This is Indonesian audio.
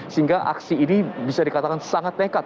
sehingga aksi ini bisa dikatakan sangat tekad